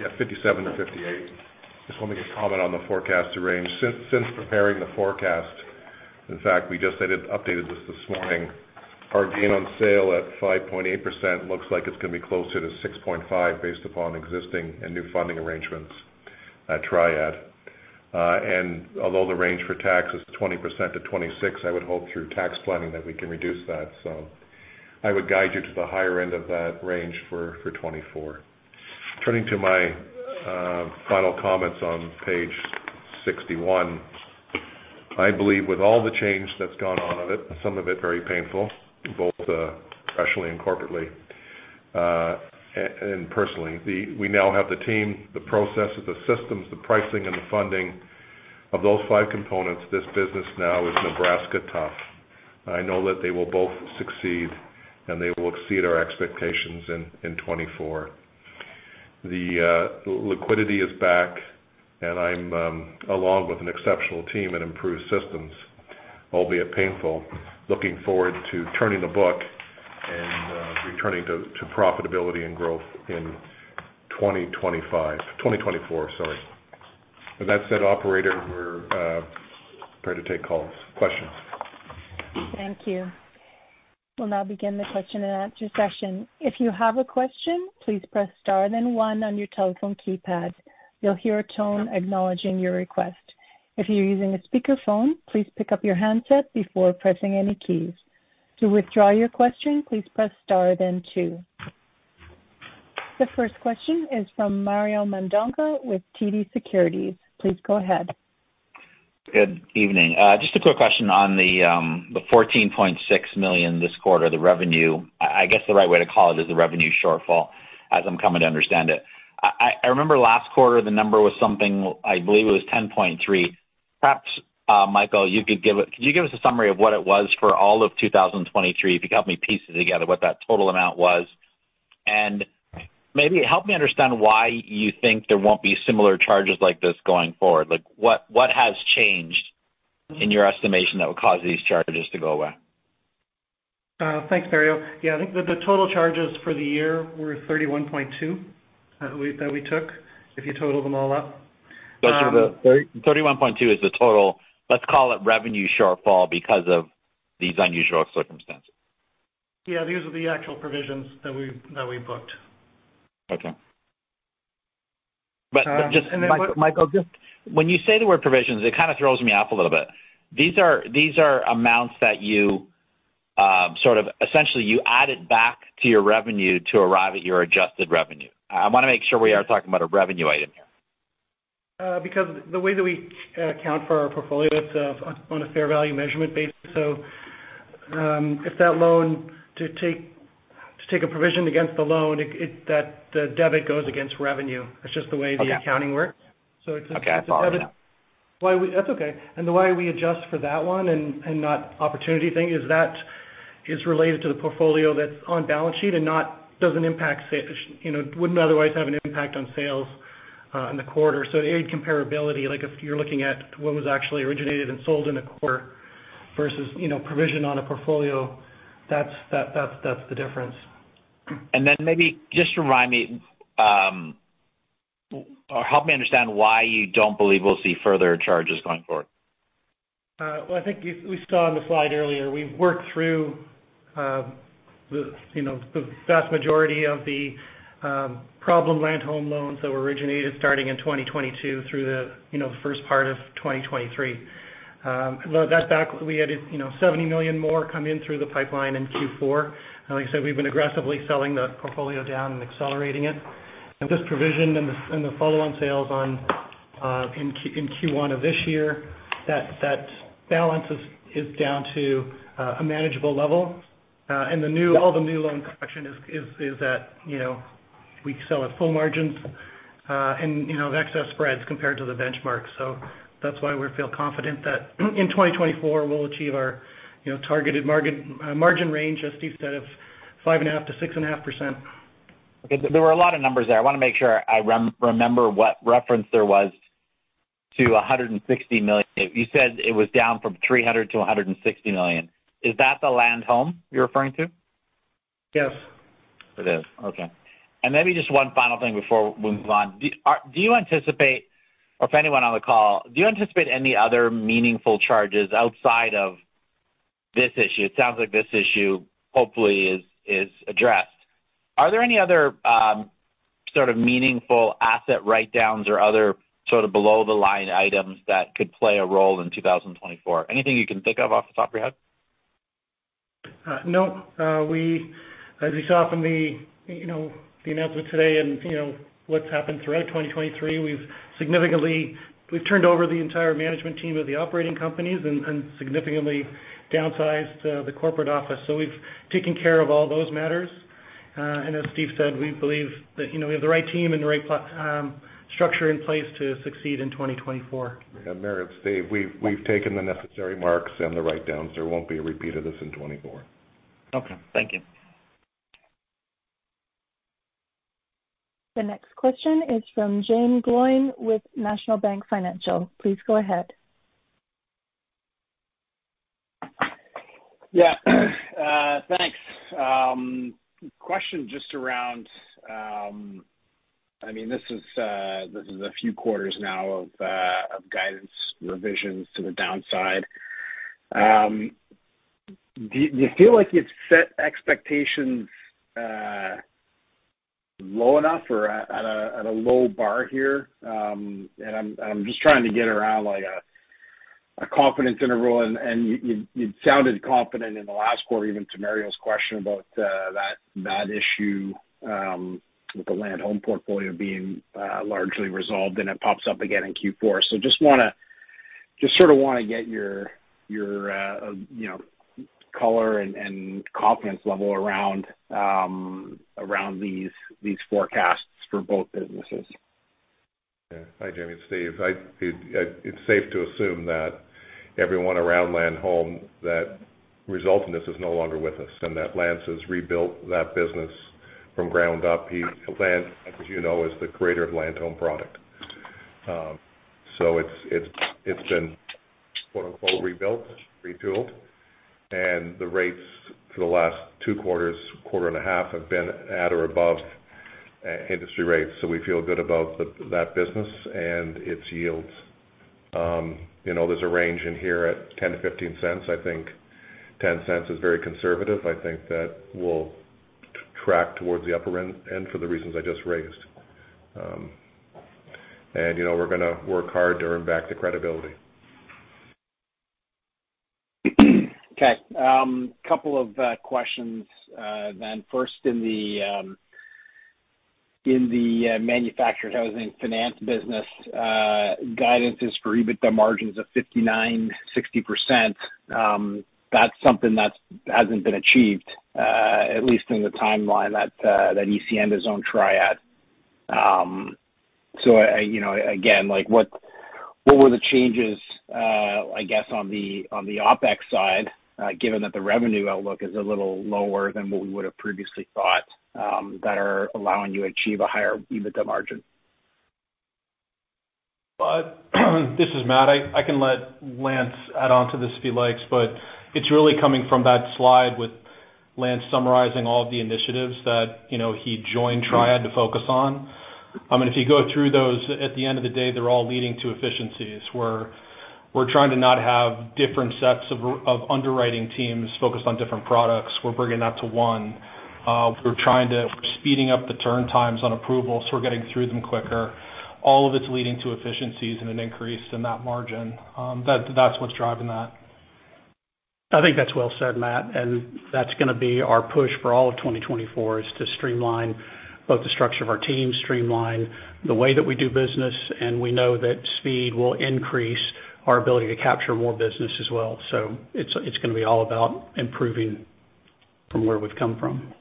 Yeah, 57 to 58. Just wanted to make a comment on the forecasted range. Since preparing the forecast, in fact, we just updated this morning, our gain on sale at 5.8% looks like it's going to be closer to 6.5% based upon existing and new funding arrangements at Triad. And although the range for tax is 20%-26%, I would hope through tax planning that we can reduce that. So I would guide you to the higher end of that range for 2024. Turning to my final comments on page 61, I believe with all the change that's gone on of it, some of it very painful, both professionally and corporately and personally, we now have the team, the processes, the systems, the pricing, and the funding of those five components. This business now is Nebraska tough. I know that they will both succeed, and they will exceed our expectations in 2024. The liquidity is back, and I'm along with an exceptional team and improved systems, albeit painful, looking forward to turning the book and returning to profitability and growth in 2024. With that said, operator, we're prepared to take calls, questions. Thank you. We'll now begin the question and answer session. If you have a question, please press star then 1 on your telephone keypad. You'll hear a tone acknowledging your request. If you're using a speakerphone, please pick up your handset before pressing any keys. To withdraw your question, please press star then 2. The first question is from Mario Mendonca with TD Securities. Please go ahead. Good evening. Just a quick question on the $14.6 million this quarter, the revenue. I guess the right way to call it is the revenue shortfall, as I'm coming to understand it. I remember last quarter, the number was something I believe it was $10.3 million. Perhaps, Michael, you could give us a summary of what it was for all of 2023, if you could help me piece it together, what that total amount was. And maybe help me understand why you think there won't be similar charges like this going forward. What has changed in your estimation that would cause these charges to go away? Thanks, Mario. Yeah, I think that the total charges for the year were $31.2 that we took, if you total them all up. $31.2 is the total, let's call it, revenue shortfall because of these unusual circumstances. Yeah, these are the actual provisions that we booked. Okay. But just. And then, Michael, when you say the word provisions, it kind of throws me off a little bit. These are amounts that you sort of essentially, you add it back to your revenue to arrive at your adjusted revenue. I want to make sure we are talking about a revenue item here. Because the way that we account for our portfolio, it's on a fair value measurement basis. So if that loan to take a provision against the loan, the debit goes against revenue. That's just the way the accounting works. So it's a debit. Okay. Following that. That's okay. And the way we adjust for that one and not opportunity thing, is that is related to the portfolio that's on balance sheet and not doesn't impact wouldn't otherwise have an impact on sales in the quarter. So it'd aid comparability. If you're looking at what was actually originated and sold in a quarter versus provision on a portfolio, that's the difference. Maybe just remind me or help me understand why you don't believe we'll see further charges going forward? Well, I think we saw on the slide earlier, we've worked through the vast majority of the problem Land-Home loans that were originated starting in 2022 through the first part of 2023. That batch, we had $70 million more come in through the pipeline in Q4. And like I said, we've been aggressively selling the portfolio down and accelerating it. And this provision and the follow-on sales in Q1 of this year, that balance is down to a manageable level. And all the new loan collection is that we sell at full margins and excess spreads compared to the benchmark. So that's why we feel confident that in 2024, we'll achieve our targeted margin range, as Steve said, of 5.5%-6.5%. Okay. There were a lot of numbers there. I want to make sure I remember what reference there was to $160 million. You said it was down from $300 million-$160 million. Is that the land home you're referring to? Yes. It is. Okay. And maybe just one final thing before we move on. Do you anticipate or if anyone on the call, do you anticipate any other meaningful charges outside of this issue? It sounds like this issue, hopefully, is addressed. Are there any other sort of meaningful asset write-downs or other sort of below-the-line items that could play a role in 2024? Anything you can think of off the top of your head? No. As we saw from the announcement today and what's happened throughout 2023, we've turned over the entire management team of the operating companies and significantly downsized the corporate office. So we've taken care of all those matters. And as Steve said, we believe that we have the right team and the right structure in place to succeed in 2024. Yeah, Mario and Steve, we've taken the necessary marks and the write-downs. There won't be a repeat of this in 2024. Okay. Thank you. The next question is from Jaeme Gloyn with National Bank Financial. Please go ahead. Yeah. Thanks. Question just around—I mean, this is a few quarters now of guidance revisions to the downside. Do you feel like you've set expectations low enough or at a low bar here? And I'm just trying to get around a confidence interval. And you sounded confident in the last quarter, even to Mario's question about that issue with the land home portfolio being largely resolved, and it pops up again in Q4. So just sort of want to get your color and confidence level around these forecasts for both businesses. Yeah. Hi, Jamie. It's Steve. It's safe to assume that everyone around Land-Home, the resultant mess is no longer with us and that Lance has rebuilt that business from ground up. Lance, as you know, is the creator of Land-Home product. So it's been "rebuilt," retooled. And the rates for the last two quarters, quarter and a half, have been at or above industry rates. So we feel good about that business and its yields. There's a range in here at $0.10-$0.15. I think $0.10 is very conservative. I think that we'll track towards the upper end for the reasons I just raised. And we're going to work hard to earn back the credibility. Okay. Couple of questions then. First, in the manufactured housing finance business, guidance is for EBITDA margins of 59%-60%. That's something that hasn't been achieved, at least in the timeline that ECN has owned Triad. So again, what were the changes, I guess, on the OPEX side, given that the revenue outlook is a little lower than what we would have previously thought, that are allowing you to achieve a higher EBITDA margin? This is Matt. I can let Lance add on to this if he likes. But it's really coming from that slide with Lance summarizing all of the initiatives that he joined Triad to focus on. I mean, if you go through those, at the end of the day, they're all leading to efficiencies. We're trying to not have different sets of underwriting teams focused on different products. We're bringing that to one. We're speeding up the turn times on approvals. We're getting through them quicker. All of it's leading to efficiencies and an increase in that margin. That's what's driving that. I think that's well said, Matt. That's going to be our push for all of 2024 is to streamline both the structure of our team, streamline the way that we do business. We know that speed will increase our ability to capture more business as well. It's going to be all about improving from where we've come from.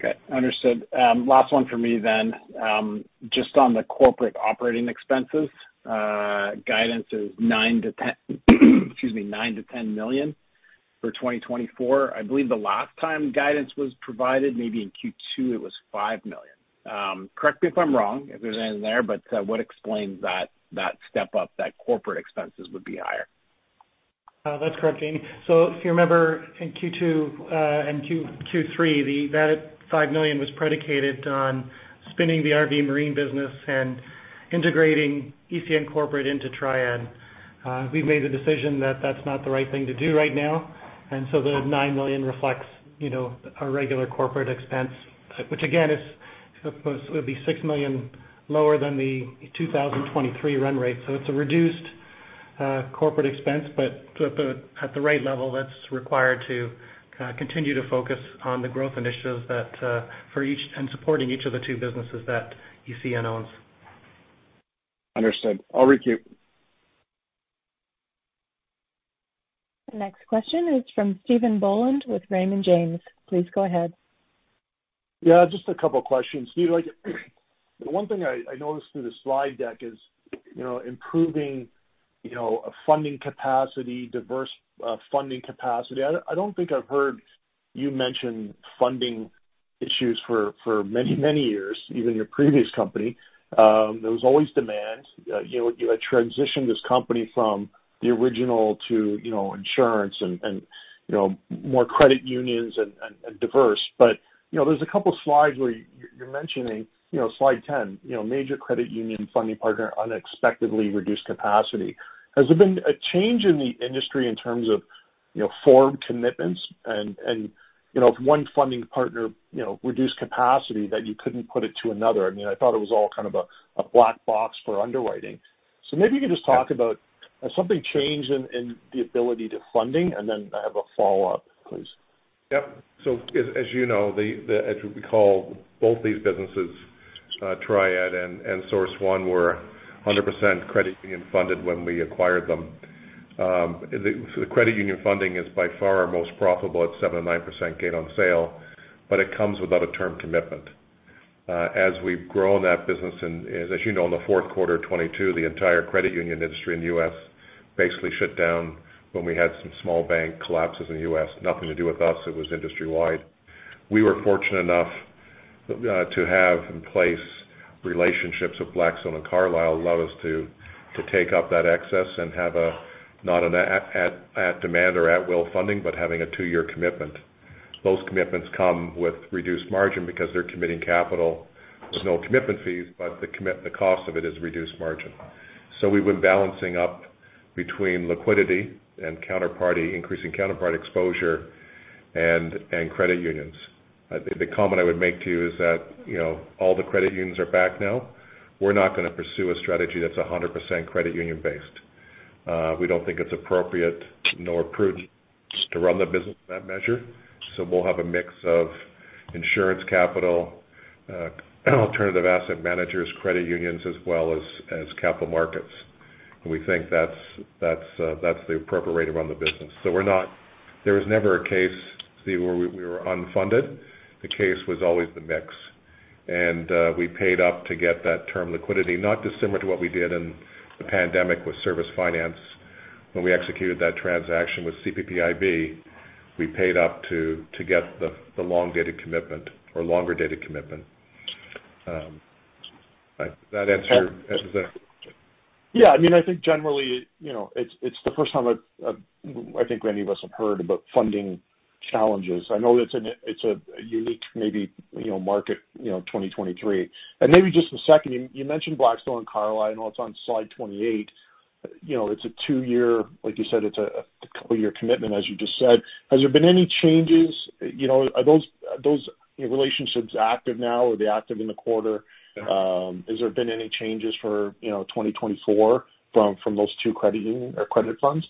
Okay. Understood. Last one for me then. Just on the corporate operating expenses, guidance is $9 million-$10 million, excuse me, $9 million-$10 million for 2024. I believe the last time guidance was provided, maybe in Q2, it was $5 million. Correct me if I'm wrong, if there's anything there, but what explains that step up, that corporate expenses would be higher? That's correct, Jamie. So if you remember in Q2 and Q3, that $5 million was predicated on spinning the RV marine business and integrating ECN corporate into Triad. We've made the decision that that's not the right thing to do right now. And so the $9 million reflects a regular corporate expense, which, again, it would be $6 million lower than the 2023 run rate. So it's a reduced corporate expense, but at the right level that's required to continue to focus on the growth initiatives and supporting each of the two businesses that ECN owns. Understood. I'll repeat. The next question is from Stephen Boland with Raymond James. Please go ahead. Yeah, just a couple of questions. The one thing I noticed through the slide deck is improving funding capacity, diverse funding capacity. I don't think I've heard you mention funding issues for many, many years, even your previous company. There was always demand. You had transitioned this company from the original to insurance and more credit unions and diverse. But there's a couple of slides where you're mentioning slide 10, major credit union funding partner unexpectedly reduced capacity. Has there been a change in the industry in terms of firm commitments? And if one funding partner reduced capacity, that you couldn't put it to another. I mean, I thought it was all kind of a black box for underwriting. So maybe you could just talk about has something changed in the ability to funding? And then I have a follow-up, please. Yep. So as you know, as we call both these businesses, Triad and Source One, were 100% credit union funded when we acquired them. The credit union funding is by far our most profitable at 7%-9% gain on sale, but it comes without a term commitment. As we've grown that business and as you know, in the fourth quarter of 2022, the entire credit union industry in the U.S. basically shut down when we had some small bank collapses in the U.S., nothing to do with us. It was industry-wide. We were fortunate enough to have in place relationships with Blackstone and Carlyle that allowed us to take up that excess and have not an at-demand or at-will funding, but having a 2-year commitment. Those commitments come with reduced margin because they're committing capital with no commitment fees, but the cost of it is reduced margin. So we've been balancing between liquidity and increasing counterparty exposure to credit unions. The comment I would make to you is that all the credit unions are back now. We're not going to pursue a strategy that's 100% credit union-based. We don't think it's appropriate nor prudent to run the business on that measure. So we'll have a mix of insurance capital, alternative asset managers, credit unions, as well as capital markets. And we think that's the appropriate way to run the business. So there was never a case, Steve, where we were unfunded. The case was always the mix. And we paid up to get that term liquidity, not dissimilar to what we did in the pandemic with Service Finance. When we executed that transaction with CPPIB, we paid up to get the long-dated commitment or longer-dated commitment. Does that answer? Yeah. I mean, I think generally, it's the first time I think many of us have heard about funding challenges. I know that it's a unique maybe market, 2023. And maybe just a second, you mentioned Blackstone and Carlyle. I know it's on slide 28. It's a two-year like you said, it's a couple-year commitment, as you just said. Has there been any changes? Are those relationships active now? Are they active in the quarter? Has there been any changes for 2024 from those two credit funds?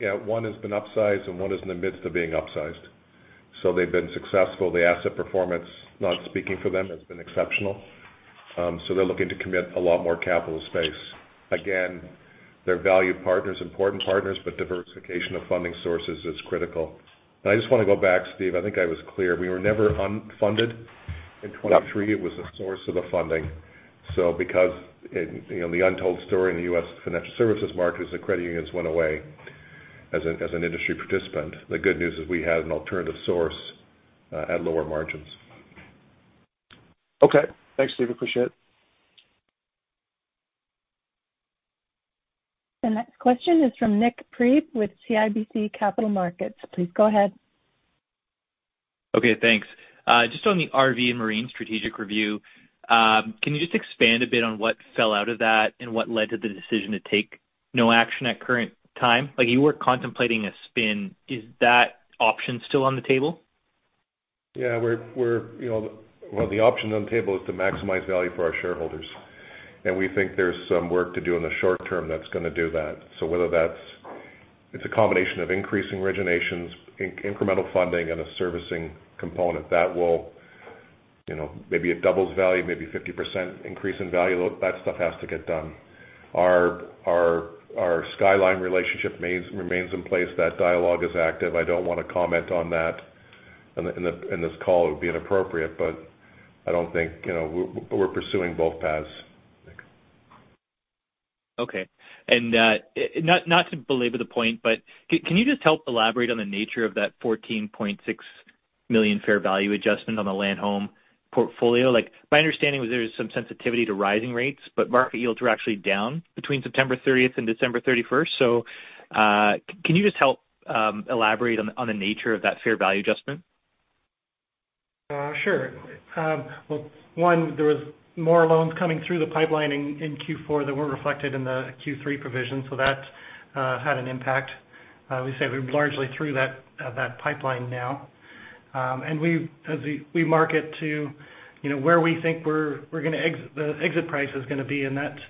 Yeah. One has been upsized, and one is in the midst of being upsized. So they've been successful. The asset performance, not speaking for them, has been exceptional. So they're looking to commit a lot more capital space. Again, they're valued partners, important partners, but diversification of funding sources is critical. I just want to go back, Steve. I think I was clear. We were never unfunded. In 2023, it was a source of the funding. So because in the untold story in the U.S. financial services markets, the credit unions went away as an industry participant. The good news is we had an alternative source at lower margins. Okay. Thanks, Steve. Appreciate it. The next question is from Nik Priebe with CIBC Capital Markets. Please go ahead. Okay. Thanks. Just on the RV and marine strategic review, can you just expand a bit on what fell out of that and what led to the decision to take no action at current time? You were contemplating a spin. Is that option still on the table? Yeah. Well, the option on the table is to maximize value for our shareholders. We think there's some work to do in the short term that's going to do that. So whether it's a combination of increasing originations, incremental funding, and a servicing component, that will maybe it doubles value, maybe 50% increase in value. That stuff has to get done. Our Skyline relationship remains in place. That dialogue is active. I don't want to comment on that in this call. It would be inappropriate, but I don't think we're pursuing both paths. Okay. And not to belabor the point, but can you just help elaborate on the nature of that $14.6 million fair value adjustment on the land home portfolio? My understanding was there's some sensitivity to rising rates, but market yields were actually down between September 30th and December 31st. So can you just help elaborate on the nature of that fair value adjustment? Sure. Well, one, there was more loans coming through the pipeline in Q4 that weren't reflected in the Q3 provision. So that had an impact. We say we're largely through that pipeline now. And we market to where we think we're going to the exit price is going to be. And that's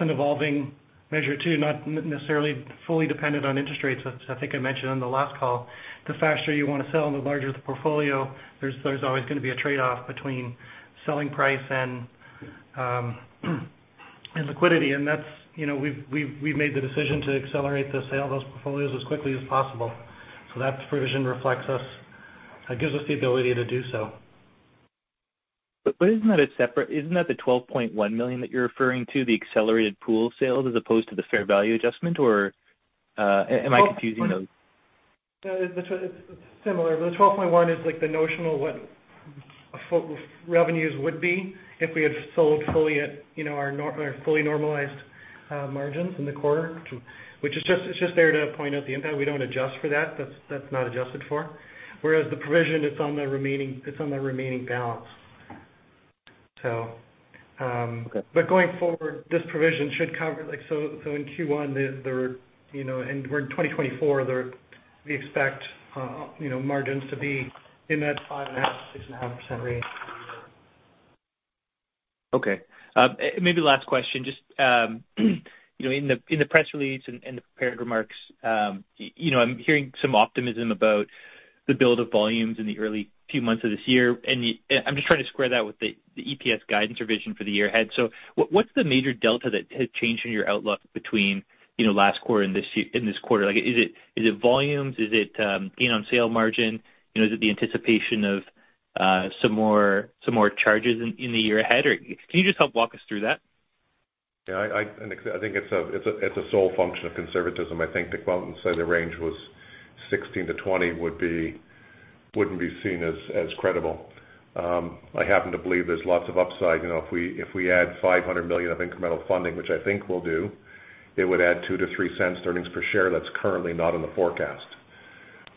an evolving measure too, not necessarily fully dependent on interest rates. I think I mentioned on the last call, the faster you want to sell and the larger the portfolio, there's always going to be a trade-off between selling price and liquidity. And we've made the decision to accelerate the sale of those portfolios as quickly as possible. So that provision reflects us gives us the ability to do so. But isn't that the $12.1 million that you're referring to, the accelerated pool sales, as opposed to the fair value adjustment, or am I confusing those? It's similar. But the $12.1 million is the notional what revenues would be if we had sold fully at our fully normalized margins in the quarter, which is just there to point out the impact. We don't adjust for that. That's not adjusted for. Whereas the provision, it's on the remaining balance. But going forward, this provision should cover so in Q1 and we're in 2024, we expect margins to be in that 5.5%-6.5% range. Okay. Maybe last question. Just in the press release and the prepared remarks, I'm hearing some optimism about the build of volumes in the early few months of this year. And I'm just trying to square that with the EPS guidance revision for the year ahead. So what's the major delta that has changed in your outlook between last quarter and this quarter? Is it volumes? Is it gain on sale margin? Is it the anticipation of some more charges in the year ahead? Can you just help walk us through that? Yeah. I think it's a sole function of conservatism. I think to quote and say the range was 16-20 wouldn't be seen as credible. I happen to believe there's lots of upside. If we add $500 million of incremental funding, which I think we'll do, it would add $0.02-$0.03 to earnings per share that's currently not in the forecast.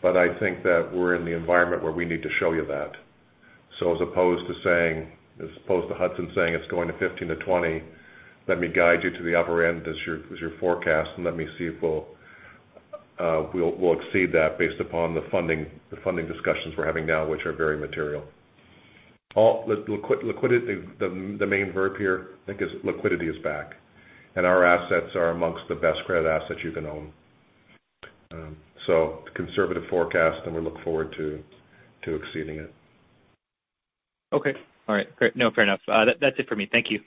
But I think that we're in the environment where we need to show you that. So as opposed to saying as opposed to Hudson saying it's going to 15-20, let me guide you to the upper end as your forecast, and let me see if we'll exceed that based upon the funding discussions we're having now, which are very material. The main verb here, I think, is liquidity is back. And our assets are amongst the best credit assets you can own. Conservative forecast, and we look forward to exceeding it. Okay. All right. No, fair enough. That's it for me. Thank you.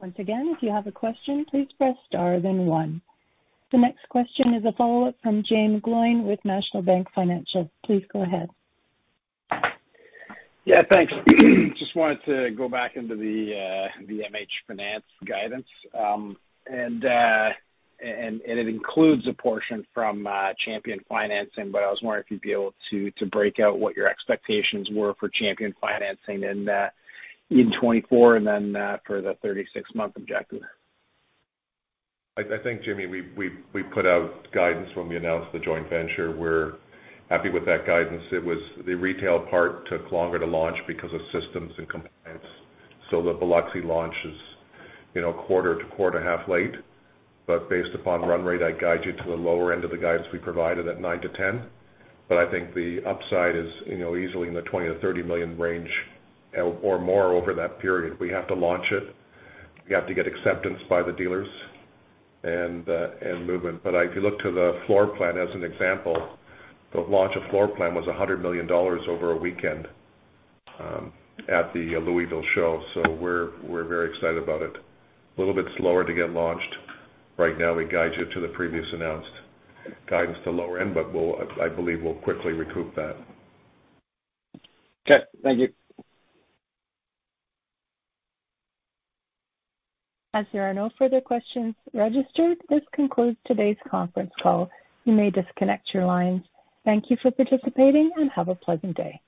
Once again, if you have a question, please press star, then one. The next question is a follow-up from Jaeme Gloyn with National Bank Financial. Please go ahead. Yeah. Thanks. Just wanted to go back into the MH Finance guidance. It includes a portion from Champion Financing, but I was wondering if you'd be able to break out what your expectations were for Champion Financing in 2024 and then for the 36-month objective. I think, Jamie, we put out guidance when we announced the joint venture. We're happy with that guidance. The retail part took longer to launch because of systems and compliance. So the Biloxi launch is quarter to quarter-and-a-half late. But based upon run rate, I'd guide you to the lower end of the guidance we provided at $9 million-$10 million. But I think the upside is easily in the $20-$30 million range or more over that period. We have to launch it. We have to get acceptance by the dealers and movement. But if you look to the floor plan as an example, the launch of floor plan was $100 million over a weekend at the Louisville show. So we're very excited about it. A little bit slower to get launched. Right now, we guide you to the previous announced guidance to lower end, but I believe we'll quickly recoup that. Okay. Thank you. As there are no further questions registered, this concludes today's conference call. You may disconnect your lines. Thank you for participating, and have a pleasant day.